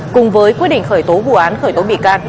cùng với quyết định khởi tố vụ án khởi tố bị can